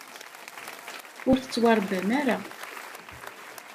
Ur tettwaṛebbam ara.